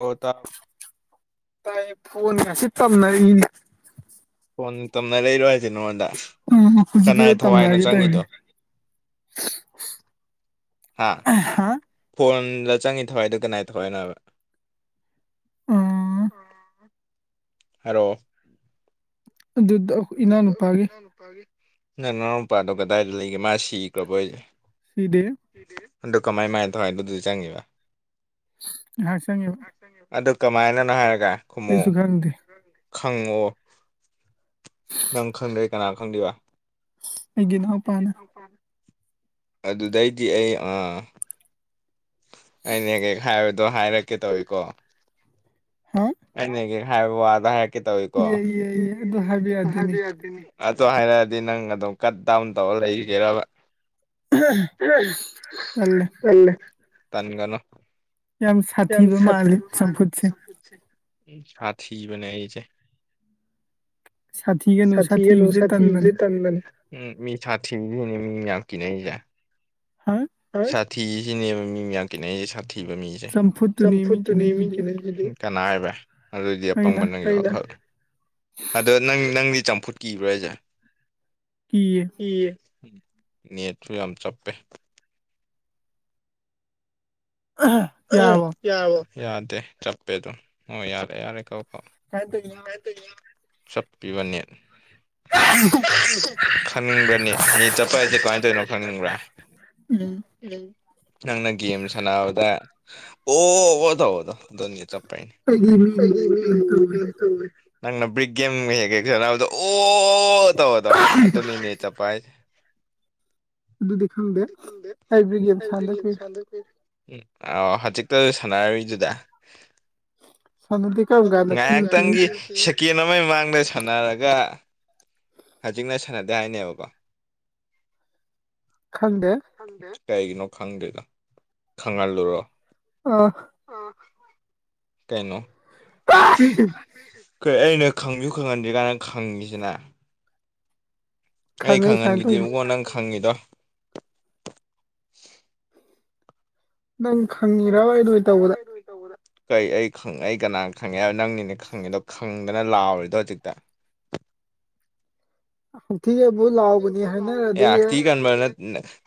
ꯑꯣ ꯇ ꯇꯥꯏ ꯐꯣꯟ ꯉꯁꯤ ꯇꯝ ꯅ ꯐꯣꯟ ꯇꯝꯅ ꯂꯩꯔꯣ ꯍꯥꯏꯁꯤ ꯅꯣꯟꯗ ꯑ ꯍꯧꯖꯤꯛꯀꯤꯗ ꯇꯝꯅꯒꯦ ꯇꯧꯅꯤ ꯍꯥꯥ [unintelligible] ꯐꯣꯟꯗ ꯆꯪꯉꯤ ꯊꯧꯋꯥꯏꯗ ꯀꯃꯏ ꯊꯧꯏꯅꯣꯕ ꯍꯔꯣ ꯑꯗꯨꯗ ꯅꯅꯥꯎ ꯅꯨꯄꯥꯗꯣ ꯀꯗꯥꯏꯗ ꯂꯩꯒꯦ ꯃꯥ ꯁꯤꯈ꯭ꯔꯕꯣ ꯁꯤꯗꯦ ꯑꯗꯨ ꯀꯃꯥꯏ ꯃꯥꯏꯅ ꯇꯧꯏ ꯑꯗꯨꯗ ꯆꯪꯉꯦꯕ ꯉꯍꯥꯛ ꯆꯪꯉꯦ ꯑꯗꯨ ꯀꯃꯥꯏꯅꯅꯣ ꯍꯥꯏꯔꯒ ꯈꯨꯃꯣꯛ ꯈꯪꯉꯣ ꯅꯪ ꯈꯪꯗ꯭ꯔꯦ ꯀꯅꯥ ꯈꯪꯗꯣꯏꯕ ꯑꯗꯨꯗꯩꯗꯤ ꯑꯩ ꯑꯥ ꯑꯅꯦ ꯀꯩ ꯍꯥꯏꯕꯗꯣ ꯍꯥꯏꯔꯛꯀꯦ ꯇꯧꯏꯀꯣ ꯍꯥ ꯑꯩꯅ ꯍꯥꯏꯕ ꯋꯥꯗꯣ ꯍꯥꯏꯔꯛꯀꯦ ꯇꯧꯏꯀꯣ ꯑꯗꯨ ꯍꯥꯏꯔꯛꯑꯗꯤ ꯅꯪ ꯑꯗꯨꯝ ꯀꯠ ꯗꯥꯎꯟ ꯇꯧꯔ ꯂꯩꯒꯦꯕ [unintelligible] ꯌꯥꯝ ꯁꯥꯊꯤꯕ ꯃꯥꯜꯂꯦ ꯆꯝꯐꯨꯠꯁꯦ ꯎꯝ ꯁꯥꯊꯤꯕꯅꯦ ꯑꯩꯁꯦ ꯁꯥꯊꯤꯒꯅꯨ ꯁꯥꯊꯤꯁꯦ ꯇꯟ ꯃꯅꯦ ꯎꯝ ꯃꯤ ꯊꯥ ꯊꯗꯤꯅꯦ ꯃꯤ ꯃꯌꯥꯝ ꯀꯤꯅꯩꯖꯦ ꯍꯥ ꯁꯥꯊꯤꯁꯤꯅꯦꯕ ꯃꯤ ꯃꯌꯥꯝ ꯀꯤꯅꯩꯁꯦ ꯁꯥꯊꯤꯕ ꯃꯤꯁꯦ ꯆꯝꯐꯨꯠꯇꯨꯅꯦ ꯀꯅꯥ ꯍꯥꯏꯕ ꯑꯗꯨꯗꯤ ꯑꯄꯪꯕ ꯅꯣꯏꯒꯤ ꯋꯈꯜ ꯑꯗꯣ ꯅꯪ ꯅꯪꯗꯤ ꯆꯝꯐꯨꯠ ꯀꯤꯕ꯭ꯔꯣ ꯍꯥꯏꯁꯦ ꯀꯤꯌꯦ ꯅꯦꯠꯁꯨ ꯌꯥꯝ ꯆꯞꯄꯦ ꯌꯥꯗꯦ ꯆꯞꯄꯦꯗꯣ ꯑꯣ ꯌꯥꯔꯦ ꯌꯥꯔꯦ ꯀ ꯀꯥꯎ [unintelligible] ꯆꯄꯤꯕ ꯅꯦꯠ ꯈꯪꯅꯤꯡꯕ꯭ꯔꯅꯤ ꯅꯦꯠ ꯆꯠꯄ ꯍꯥꯏꯁꯦ ꯀꯃꯥꯏꯅ ꯇꯧꯔꯤꯅꯣ ꯈꯪꯅꯤꯡꯕ꯭ꯔꯥ [unintelligible] ꯅꯪꯅꯒꯦ ꯈꯅꯥꯗ ꯑꯣꯗꯣ ꯑꯣꯗꯣ ꯅꯦꯠ ꯆꯄꯥꯏꯅꯤ ꯅꯪꯅ ꯕ꯭ꯔꯤꯛꯒꯦꯝ ꯒꯦꯝ [unintelligible] ꯑꯣ ꯇꯧꯕꯗꯣ ꯑꯗꯨꯅꯤ ꯅꯦꯠ ꯆꯠꯄ ꯍꯥꯏ ꯑꯗꯨꯗꯤ ꯈꯪꯗꯦ ꯍꯥꯏꯕꯔꯤ ꯒꯦꯝ ꯁꯥꯟꯗ ꯀꯨꯏꯔꯦ [unintelligible] ꯎꯝ ꯑ ꯍꯧꯖꯤꯛꯇ ꯁꯥꯟꯅꯔꯔꯤꯗꯨꯗ ꯉꯥꯏꯍꯥꯛ ꯇꯪꯒꯤ ꯇꯀꯦꯟ ꯑꯃꯒꯤ ꯃꯥꯡꯗ ꯁꯥꯟꯅꯔꯒ ꯍꯧꯖꯤꯛꯅ ꯁꯥꯟꯅꯗꯦ ꯍꯥꯏꯅꯦꯕꯀꯣ ꯈꯪꯗꯦ ꯀꯩꯒꯤꯅꯣ ꯈꯪꯗꯦꯗ ꯈꯪꯍꯜꯂꯨꯔꯣ ꯑꯣ ꯀꯩꯅꯣ ꯀꯩ ꯑꯩꯅ ꯈꯪꯖꯨ ꯈꯪꯍꯟꯗ꯭ꯔꯤ ꯀꯥꯟꯅ ꯈꯪꯉꯤꯁꯤꯅ ꯑꯩ ꯈꯪꯍꯟꯈꯤꯗꯦꯉꯣ ꯅꯪ ꯈꯪꯉꯤꯗꯣ ꯅꯪ ꯈꯪꯉꯤꯔꯕ ꯑꯩꯅ ꯑꯣꯏꯅ ꯇꯧꯕꯗ ꯇꯧꯕꯗꯥ ꯀꯩ ꯑꯩ ꯈꯪ ꯑꯩ ꯀꯅꯥꯅ ꯈꯪꯉꯦ ꯍꯥꯏꯕ ꯅꯪꯅꯤꯅꯦ ꯈꯪꯉꯤꯗꯣ ꯈꯪꯗꯅ ꯂꯥꯎꯔꯤꯗꯣ ꯍꯧꯖꯤꯛꯇꯥ ꯍꯧꯊꯤ ꯈꯟꯕꯨ ꯂꯥꯎꯕꯅꯤ ꯍꯥꯏꯅꯔꯗꯤ ꯅ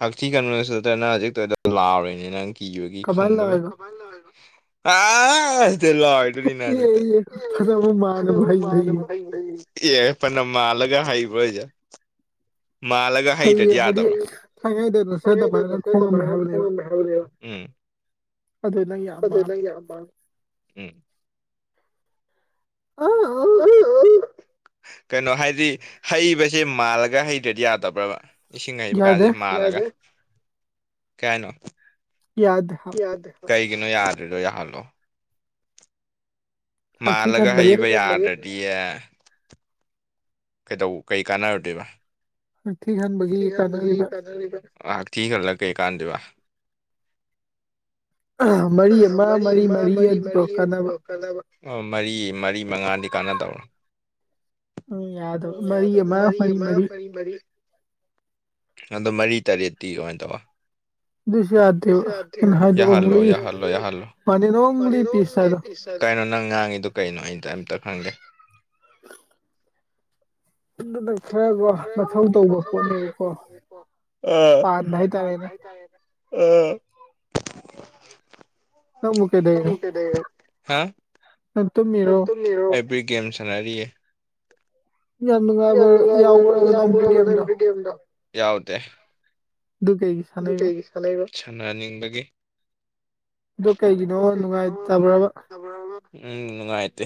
ꯍꯥꯛꯊꯤ ꯈꯟꯅꯁꯨ ꯅꯠꯇ꯭ꯔ ꯅꯪ ꯍꯧꯖꯤꯛ ꯇꯩꯗꯣ ꯂꯥꯎꯔꯤꯅꯤ ꯅꯪ ꯀꯤꯕꯒꯤ ꯈꯪꯕꯒꯤ ꯀꯃꯥꯏ ꯂꯥꯎꯔꯤꯕ ꯑꯁ ꯇꯧꯔ ꯂꯥꯎꯏ ꯑꯗꯨꯅꯤꯅ ꯍꯧꯖꯤꯛꯇ [unintelligible] ꯑꯗꯨ ꯃꯥꯜꯂꯨꯕ ꯑꯩ ꯑꯦ ꯄꯅ ꯃꯥꯜꯂꯒ ꯍꯥꯏꯕ꯭ꯔꯣ ꯍꯥꯏꯖꯦ ꯃꯥꯜꯂꯒ ꯍꯩꯗ꯭ꯔꯗꯤ ꯌꯥꯗꯕꯔ [unintelligible] [unintelligible] ꯎꯝ ꯑꯗꯨ ꯅꯪ ꯌꯥꯝ ꯄꯥꯛꯅ ꯑꯣ ꯑꯣ [unintelligible] ꯀꯩꯅꯣ ꯍꯥꯏꯗꯤ ꯍꯩꯕꯖꯦ ꯃꯥꯜꯂꯒ ꯍꯩꯗ꯭ꯔꯗꯤ ꯌꯥꯗꯕ꯭ꯔꯕ ꯏꯁꯤꯡ ꯍꯩꯕ ꯀꯥꯖꯦ ꯃꯥꯜꯂꯒ ꯀꯩ ꯍꯥꯏꯅꯣ ꯌꯥꯗꯦ ꯍꯥꯞ ꯌꯥꯗꯦ ꯍꯥꯏ ꯀꯩꯒꯤꯅꯣ ꯌꯥꯗ꯭ꯔꯤꯗꯣ ꯌꯥꯍꯜꯂꯣ ꯃꯥꯜꯂꯒ ꯍꯩꯕ ꯌꯥꯗ꯭ꯔꯗꯤꯌꯦ ꯀꯩꯗꯧ ꯀꯩ ꯀꯥꯟꯅꯔꯨꯗꯣꯏꯕ ꯍꯥꯛꯊꯤ ꯈꯟꯕꯒꯤ ꯀꯥꯟꯅꯔꯤꯕ ꯑ ꯍꯥꯛꯊꯤ ꯈꯜꯂ ꯀꯩꯀꯥꯟꯗꯨꯕ ꯑꯍ ꯃꯔꯤ ꯑꯃ ꯃꯔꯤ ꯃꯔꯤ ꯑꯗꯨꯗꯣ ꯀꯥꯟꯅꯕ ꯑꯣ ꯃꯔꯤ ꯃꯔꯤ ꯃꯉꯥꯗꯤ ꯀꯥꯟꯅꯗꯧꯔꯣ ꯎꯝ ꯌꯥꯗꯕ ꯃꯔꯤ ꯑꯃ ꯃꯔꯤ ꯃꯔꯤ ꯏ ꯃꯔꯤ ꯑꯗꯣ ꯃꯔꯤ ꯇꯔꯦꯠꯇꯤ ꯀꯃꯥꯏꯅ ꯇꯧꯕ ꯑꯗꯣꯏꯁꯨ ꯌꯥꯗꯦꯕ ꯑꯩꯅ ꯍꯥꯏꯗꯣ ꯑꯣꯡꯂꯤ ꯃꯅꯤꯅ ꯑꯣꯡꯂꯤ ꯄꯤꯁ ꯍꯥꯏꯗꯣ ꯀꯩꯅꯣ ꯅꯪ ꯉꯥꯡꯉꯤꯗꯨ ꯀꯩꯅꯣ ꯑꯩꯗ ꯑꯝꯇ ꯈꯪꯗꯦ ꯑꯗꯨꯗ ꯈꯔꯒꯣ ꯃꯊꯧ ꯇꯧꯕ ꯄꯣꯠꯅꯦꯀꯣ ꯄꯥꯟꯕ ꯍꯥꯏꯇꯥꯔꯦꯅꯦ ꯑꯥ ꯅꯪ ꯀꯗꯩꯅꯣ ꯍꯥ ꯅꯪ ꯇꯨꯝꯃꯤꯔꯣ ꯃꯤꯔꯣ ꯑꯦꯕꯔꯤ ꯒꯦꯝ ꯁꯅꯥꯔꯤꯌꯦ ꯌꯥꯝ ꯅꯨꯡꯉꯥꯏꯕ ꯌꯥꯎꯕꯔ ꯅꯪ ꯗꯨ ꯒꯦꯝꯗꯣ ꯌꯥꯎ ꯗꯦ ꯗꯨ ꯀꯩꯒꯤ ꯗꯨ ꯀꯩꯒꯤ ꯁꯥꯟꯅꯩꯕ ꯁꯥꯟꯅꯅꯤꯡꯕꯒꯤ ꯗꯨ ꯀꯩꯒꯤꯅꯣ ꯅꯨꯡꯉꯥꯏꯇꯕ꯭ꯔꯕ ꯇꯕꯔꯕ ꯎꯝ ꯅꯨꯡꯉꯥꯏꯇꯦ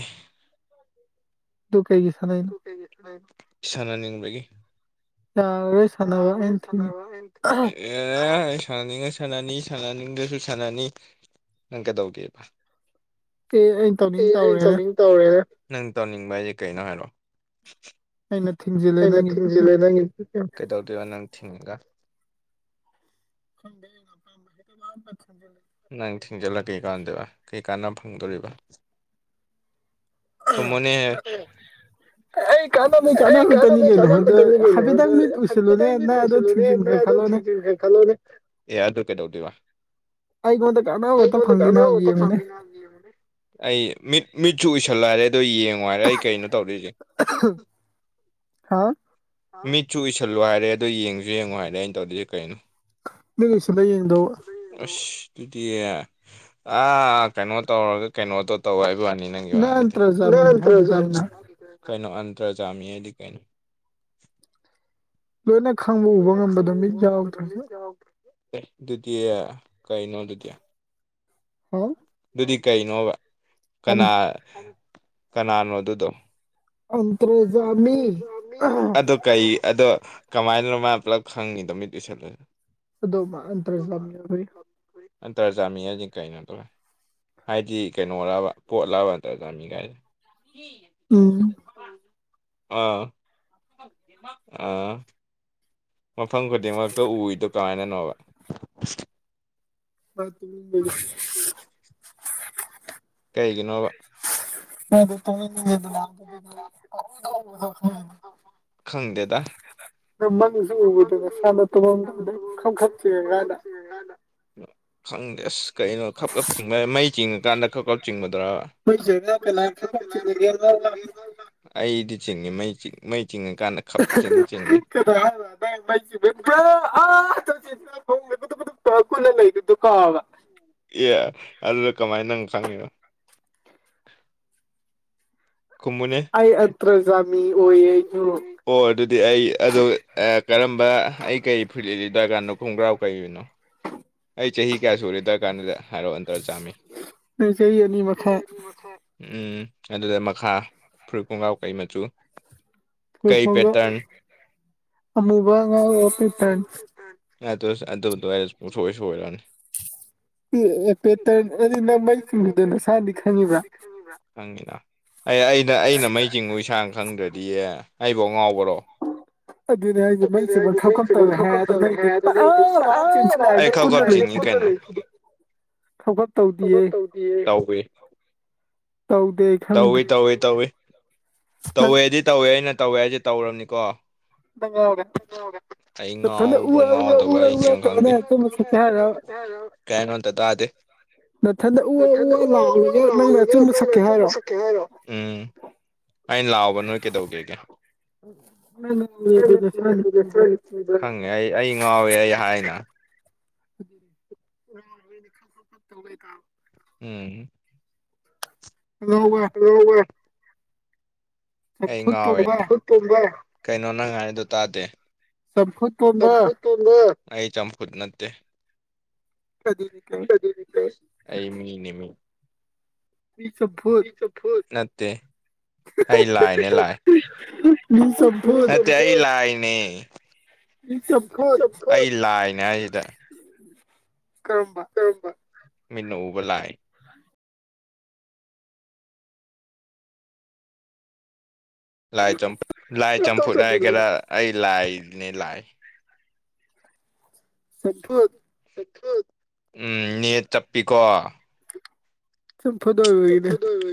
ꯗꯨ ꯀꯩꯒꯤ ꯁꯥꯟꯅꯩꯅꯣ ꯁꯥꯟꯅꯅꯤꯡꯕꯒꯤ ꯌꯥꯔꯔꯣꯏ ꯁꯥꯟꯅꯕ ꯑꯩꯅ ꯊꯤꯡꯉꯦ ꯑꯦ ꯑꯩ ꯁꯥꯟꯅꯅꯤꯡꯉꯥ ꯁꯥꯟꯅꯅꯤ ꯁꯥꯟꯅꯅꯤꯡꯗꯔꯁꯨ ꯁꯥꯟꯅꯅꯤ ꯅꯪ ꯀꯩꯗꯧꯒꯦꯕ ꯑꯦ ꯑꯩ ꯇꯧꯅꯤꯡ ꯇꯧꯔꯦ ꯅꯪ ꯇꯧꯅꯤꯡꯕ ꯍꯥꯏꯁꯦ ꯀꯩꯅꯣ ꯍꯥꯏꯔꯛꯑꯣ ꯑꯩꯅ ꯊꯤꯡꯖꯤꯜ ꯑꯩꯅ ꯊꯤꯡꯖꯤꯜꯂꯦ ꯅꯪꯒꯤ ꯗꯨ ꯒꯦꯝꯗꯣ ꯀꯩꯗꯧꯗꯣꯏꯕ ꯅꯪ ꯊꯤꯡꯉꯒ [inaudible] ꯅꯪ ꯊꯤꯡꯖꯤꯜꯂ ꯀꯩ ꯀꯥꯟꯗꯣꯏꯕ ꯀꯩ ꯀꯥꯟꯅ ꯐꯪꯗꯣꯔꯤꯕ ꯈꯨꯝꯃꯣꯅꯦꯍꯦ [unintelligible] ꯅꯪ ꯑꯗꯩ ꯊꯤꯡꯖꯤꯟꯒꯔꯦ ꯈꯜꯂꯣꯅꯦ ꯑꯦ ꯑꯗꯨ ꯀꯩꯗꯧꯗꯣꯏꯕ ꯑꯩꯉꯣꯟꯗ [unintelligible] ꯑꯩ ꯃꯤꯠ ꯃꯤꯠꯁꯨ ꯎꯏꯁꯜꯂꯣ ꯍꯥꯏꯔꯦ ꯑꯗꯣ ꯌꯦꯡꯉꯨ ꯍꯥꯏꯔꯦ ꯑꯩ ꯀꯩꯅꯣ ꯇꯧꯗꯣꯏꯖꯦ ꯍꯥ ꯃꯤꯠꯁꯨ ꯎꯏꯁꯜꯂꯨ ꯍꯥꯏꯔꯦ ꯑꯗꯨ ꯌꯦꯡꯖꯨ ꯌꯦꯡꯉꯨ ꯍꯥꯏꯔꯦ ꯑꯩꯅ ꯇꯧꯗꯣꯏꯖꯦ ꯀꯩꯅꯣ ꯃꯤꯠ ꯎꯏꯁꯤꯜꯂ ꯌꯦꯡꯗꯧꯕ ꯑꯁ ꯑꯗꯨꯗꯤ ꯑꯥ ꯀꯩꯅꯣ ꯇꯧꯔꯒ ꯀꯩꯅꯣꯗꯣ ꯇꯧ ꯍꯥꯏꯕꯩꯋꯥꯅꯤ ꯅꯪꯒꯤ ꯋꯥꯗꯣ ꯇꯥꯏ ꯅꯪ ꯑꯃꯇ꯭ꯔꯖꯥꯃꯤ ꯍꯥꯏꯒꯤꯗꯥꯏꯅꯦ ꯀꯩꯅꯣ ꯑꯟꯇ꯭ꯔꯖꯥꯃꯤ ꯍꯥꯏꯗꯤ ꯀꯩꯅꯣ ꯂꯣꯏꯅ ꯈꯪꯕ ꯎꯕ ꯉꯝꯕꯗꯣ ꯃꯤꯠ ꯌꯥꯎꯗ꯭ꯔꯖꯨ ꯑ ꯑꯗꯨꯗꯤ ꯀꯩꯅꯣ ꯑꯗꯨꯗꯤ ꯍꯝ ꯑꯗꯨꯗꯤ ꯀꯩꯅꯣꯕ ꯀꯅꯥ ꯀꯅꯥꯅꯣ ꯑꯗꯨꯗꯣ ꯑꯟꯇ꯭ꯔꯖꯥꯃꯤ ꯑꯝ ꯀꯩ ꯑꯗꯣ ꯀꯃꯥꯏꯅꯅꯣ ꯃꯥꯅ ꯄꯨꯂꯞ ꯈꯪꯉꯤꯗꯣ ꯃꯤꯠ ꯎꯁꯜꯂ ꯑꯗꯨꯃꯥ ꯑꯟꯇ꯭ꯔꯖꯥꯃꯤ ꯑꯣꯏꯕꯩ ꯑꯟꯇꯔꯖꯥꯃꯤ ꯍꯥꯏꯖꯦ ꯀꯩꯅꯣꯗꯨꯔꯥ ꯍꯥꯏꯗꯤ ꯀꯩꯅꯣꯔꯕ ꯄꯣꯠꯂꯕ ꯑꯟꯇ꯭ꯔꯖꯥꯃꯤ ꯒꯥꯏꯖꯦ ꯎꯝ ꯑꯥ ꯑꯥ ꯃꯐꯝ ꯈꯨꯗꯤꯡꯃꯛꯇ ꯎꯏꯗꯣ ꯀꯃꯥꯏꯅꯅꯣꯕ [unintelligible] [unintelligible] ꯀꯩꯒꯤꯅꯣꯕ [unintelligible] [unintelligible] ꯑꯗꯨꯝ ꯃꯪꯖꯨ ꯎꯔꯣꯏꯗꯕ ꯁꯥꯅ ꯇꯨꯃꯝꯗꯥꯏꯗ ꯈꯞ ꯈꯞ ꯆꯤꯡꯉꯀꯥꯟꯗ ꯈꯪꯗꯦ ꯑꯁ ꯀꯩꯅꯣ ꯈꯞ ꯈꯞ ꯆꯤꯡꯕ ꯍꯥꯏꯖꯦ ꯃꯩ ꯆꯤꯡꯉꯀꯥꯟꯗ ꯈꯞ ꯈꯞ ꯆꯤꯡꯕꯗꯨꯔꯕ [unintelligible] ꯑꯩꯗꯤ ꯆꯤꯡꯉꯤ ꯃꯩ ꯆꯤꯡ ꯃꯩ ꯆꯤꯡꯉꯀꯥꯟꯗ ꯈꯞ ꯆꯤꯡ ꯆꯤꯡꯖꯩ [unintelligible] [unintelligible] ꯑꯦ ꯑꯗꯨꯗ ꯀꯃꯥꯏ ꯅꯪ ꯈꯪꯉꯤꯕ ꯈꯨꯝꯃꯨꯅꯦ ꯑꯩ ꯑꯟꯇ꯭ꯔꯖꯥꯃꯤ ꯑꯣꯏꯌꯦ ꯑꯩꯖꯨ ꯑꯣ ꯑꯗꯨꯗꯤ ꯑꯩ ꯑꯗꯨ ꯑ ꯀꯔꯝꯕ ꯑꯩ ꯀꯩ ꯐꯨꯔꯤꯠ ꯂꯤꯠꯂꯤ ꯗꯥꯏꯒꯔꯥꯟꯅꯣ ꯈꯣꯡꯒ꯭ꯔꯥꯎ ꯀꯩꯒꯤꯅꯣ ꯑꯩ ꯆꯍꯤ ꯀꯌꯥ ꯁꯨꯔ ꯑꯗꯥꯏꯀꯥꯟꯗꯨꯗ ꯍꯥꯏꯔꯣ ꯑꯟꯇ꯭ꯔꯖꯥꯃꯤ ꯆꯍꯤ ꯑꯅꯤ ꯃꯈꯥꯏ ꯎꯝ ꯑꯗꯨꯗ ꯃꯈꯥ ꯐꯨꯔꯤꯠ ꯈꯣꯡꯒ꯭ꯔꯥꯎ ꯀꯩ ꯃꯆꯨ [unintelligible] ꯑꯗꯨꯁ ꯑꯗꯨꯗꯨꯋꯥꯏꯁ ꯄꯨꯡꯁꯣꯏ ꯁꯣꯏꯔꯝꯅꯤ ꯑꯦ ꯑꯦ ꯄꯦꯇ꯭ꯔꯟ ꯑꯗꯨꯗꯤ ꯅꯪ ꯃꯩ ꯆꯤꯡꯕꯗꯨ ꯅꯁꯥꯅꯗꯤ ꯈꯪꯉꯤꯕ꯭ꯥꯔ ꯈꯪꯉꯤꯅ ꯑꯩ ꯑꯩꯅ ꯑꯩꯅ ꯃꯩ ꯆꯤꯡꯕꯨ ꯏꯁꯥꯅ ꯈꯪꯗ꯭ꯔꯗꯤ ꯗꯤ ꯑꯩꯕꯨ ꯑꯉꯥꯎꯕꯔꯣ [unintelligible] ꯑꯩ ꯈꯞ ꯈꯞ ꯆꯤꯡꯉꯤ ꯀꯩꯅꯣ ꯈꯞ ꯈꯞ ꯇꯧꯗꯤꯌꯦ ꯇꯧꯋꯤ ꯇꯧꯏ ꯇꯧꯏ ꯇꯧꯏ ꯇꯧꯋꯦꯗꯤ ꯇꯧꯋꯦ ꯑꯩꯅ ꯇꯧꯋꯦ ꯍꯥꯏꯖꯦ ꯇꯧꯔꯝꯅꯤꯀꯣ ꯉꯥꯎꯔꯦ ꯑꯩ ꯉꯥꯎꯕ ꯉꯥꯎꯗꯕ ꯑꯩ ꯀꯩꯝ ꯈꯪꯗꯦ ꯀꯩ ꯍꯥꯏꯅꯣ ꯑꯝꯇ ꯇꯥꯗꯦ ꯅꯊꯟꯗ ꯎꯋꯥ ꯎꯋꯥ ꯂꯥꯎꯔꯒ ꯅꯪ ꯅꯊꯟꯗ ꯁꯛꯀꯦ ꯍꯥꯏꯔꯣ ꯎꯝ ꯑꯩ ꯂꯥꯎꯕ ꯅꯣꯏ ꯀꯩꯗꯧꯗꯣꯏꯅꯣ ꯉꯥꯡꯉꯛꯎ ꯈꯪꯉꯦ ꯑꯩ ꯑꯩ ꯉꯥꯎꯋꯦ ꯑꯩ ꯍꯥꯏꯅ ꯇ ꯎꯝ ꯂꯋꯥꯏ ꯑꯩ ꯉꯥꯎꯋꯦ ꯀꯩꯅꯣ ꯅꯪ ꯍꯥꯏꯔꯤꯗꯣ ꯇꯥꯗꯦ ꯆꯝꯐꯨꯠ ꯇꯣꯝꯕꯥ ꯑꯩ ꯆꯝꯐꯨꯠ ꯅꯠꯇꯦ ꯑꯗꯨꯗꯤ ꯀꯩ ꯑꯩꯃꯤꯅꯦꯃꯤ ꯏꯆꯝꯐꯨꯠ ꯆꯝꯐꯨꯠ ꯅꯠꯇꯦ ꯑꯩ ꯂꯥꯏꯅꯦ ꯂꯥꯏ ꯅꯠꯇꯦ ꯑꯩ ꯂꯥꯏꯅꯦ ꯢꯆꯞ ꯑꯩ ꯂꯥꯏꯅꯦ ꯍꯥꯏꯖꯤꯗ ꯀꯔꯝꯕ ꯀꯔꯝꯕ ꯃꯤꯠꯅ ꯎꯕ ꯂꯥꯏ ꯂꯥꯏ ꯆꯝꯐꯨꯠ ꯂꯥꯏ ꯆꯝꯐꯨꯠ ꯍꯥꯏꯒꯦꯔꯥ ꯑꯩ ꯂꯥꯏꯅꯦ ꯂꯥꯏ ꯍꯣꯏ ꯎꯝ ꯅꯦꯠ ꯆꯞꯄꯤꯀꯣ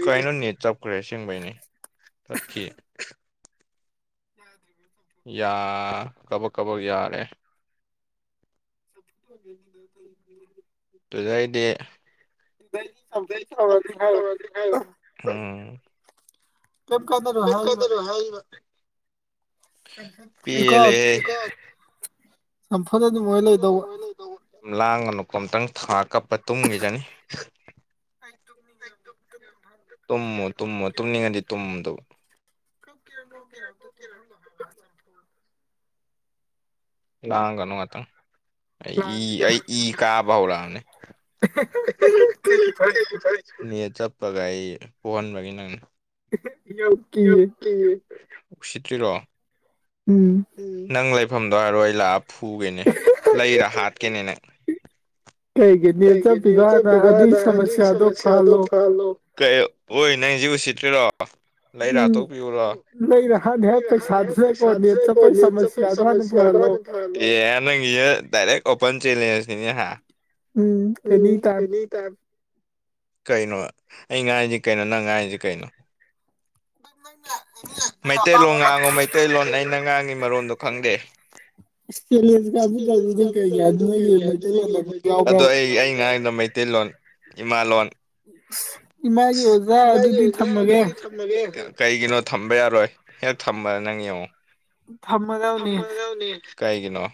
ꯀꯩꯄꯣ ꯅꯦꯠ ꯆꯞꯈ꯭ꯔꯦ ꯑꯁꯦꯡꯕꯩꯅꯦ ꯇꯠꯈꯤꯌꯦ ꯎꯝꯆ ꯆꯤꯎ ꯌꯥ ꯀꯕꯛ ꯀꯕꯛ ꯌꯥꯔꯦ ꯇꯨꯗꯩꯗꯤ ꯎꯝ ꯍꯥꯏꯔꯤꯕ ꯀꯣ ꯂꯥꯡꯒꯅꯨꯀꯣ ꯑꯝꯇꯪ ꯊꯥꯔ ꯀꯞꯀꯅꯤ ꯇꯨꯝꯒꯤꯖꯅꯤ ꯇꯨꯝꯃꯣ ꯇꯨꯝꯃꯣ ꯇꯨꯝꯅꯤꯡꯉꯗꯤ ꯇꯨꯝꯗꯧ ꯀꯞꯀꯦꯔ ꯅꯣꯛꯀꯦꯔ ꯑꯝꯇ ꯅꯣꯛꯍꯟꯂꯣ ꯍꯥꯏꯕ ꯑꯆꯥꯄꯣꯠ ꯂꯥꯡꯒꯅꯣ ꯉꯥꯇꯪ ꯑꯩ ꯏ ꯑꯩ ꯏ ꯀꯥꯕ ꯍꯧꯔꯛꯑꯕꯅꯦ ꯀꯩꯅꯣ ꯍꯥꯏꯖꯤꯕꯣ ꯅꯦꯠ ꯆꯞꯄꯒ ꯑꯩ ꯄꯣꯍꯟꯕꯒꯤ ꯅꯪꯅ ꯏꯍꯤ ꯗꯞꯇꯤ ꯎꯁꯤꯠꯇ꯭ꯔꯤꯔꯣ ꯎꯝ ꯅꯪ ꯂꯩꯐꯝꯗꯣ ꯍꯥꯏꯔꯛꯑꯣ ꯂꯩꯔ ꯐꯨꯒꯦꯅꯤ ꯂꯩꯔ ꯍꯥꯠꯀꯦꯅꯤ ꯅꯪ ꯑꯩꯒꯤ ꯅ꯭ꯦꯠꯇ ꯆꯞꯈꯤꯕ ꯇꯔꯗꯤ ꯁꯃꯁ꯭ꯌꯥꯗꯣ ꯊꯥꯍꯜꯂꯣ ꯀꯩꯑꯣ ꯋꯣꯏ ꯅꯪꯒꯤꯖꯦ ꯎꯁꯤꯠꯇ꯭ꯔꯤꯔꯣ ꯅꯪ ꯂꯥꯛꯇꯧꯗꯣ ꯑꯦ ꯅꯪꯒꯤꯖꯦ ꯗꯥꯏꯔꯦꯛ ꯑꯣꯄꯟ ꯆꯦꯂꯦꯟꯖꯅꯤꯅꯦ ꯍꯥ ꯎꯝ ꯑꯦꯅꯤ ꯇꯥꯏꯝ ꯀꯩꯅꯣ ꯑꯩ ꯉꯥꯡꯉꯤꯖꯤꯅ ꯀꯩꯅꯣ ꯅꯪ ꯉꯥꯡꯉꯤꯖꯤꯅ ꯀꯩꯅꯣ ꯃꯩꯇꯩꯂꯣꯟ ꯉꯥꯡꯉꯣ ꯃꯩꯇꯩꯂꯣꯟ ꯑꯩꯅ ꯉꯥꯡꯉꯤ ꯃꯔꯣꯟꯗꯣ ꯈꯪꯗꯦ ꯃꯩꯇꯩ ꯂꯣꯝꯗ ꯉꯥꯡ ꯑꯗꯣ ꯑꯩ ꯑꯩꯅ ꯍꯥꯏꯗ ꯃꯩꯇꯩꯂꯣꯟ ꯏꯃꯥꯂꯣꯟꯣꯟ ꯏꯃꯥꯒꯤ ꯑꯣꯖꯥ ꯑꯗꯨꯗꯤ ꯊꯝꯃꯒꯦ ꯀꯩꯒꯤꯅꯣ ꯊꯝꯕ ꯌꯥꯔꯣꯏ ꯍꯦꯛ ꯊꯝꯕ ꯅꯪ ꯌꯦꯡꯉꯣ ꯊ ꯀꯥꯏꯒꯤꯅꯣ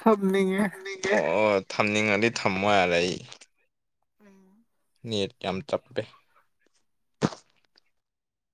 ꯊꯝꯅꯤꯡꯉꯦ ꯑꯣ ꯑꯣ ꯊꯝꯅꯤꯡꯉꯗꯤ ꯊꯝꯃꯣ ꯌꯥꯔꯦ ꯑꯩ ꯎꯝ ꯅꯦꯠ ꯌꯥꯝ ꯆꯞꯄꯦ